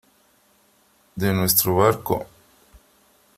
de nuestro barco .